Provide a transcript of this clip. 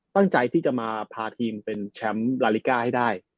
ตั้งใจที่จะมาพาทีมเป็นแชมป์ลาลิก้าให้ได้